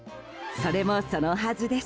それもそのはずです。